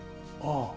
ああ。